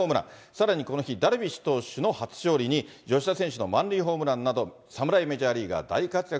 さらにこの日、ダルビッシュ投手の初勝利に、吉田選手の満塁ホームランなど、侍メジャーリーガー、大活躍。